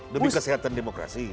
demi kesehatan demokrasi